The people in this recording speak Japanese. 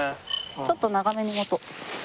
ちょっと長めに持とう。